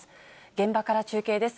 現場から中継です。